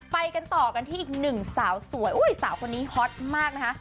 ไปกันต่อกันที่อีกหนึ่งสาวสวยสาวคนนี้ฮอตมากนะคะ